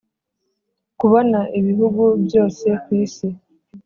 kubona ibihugu byose kwisi.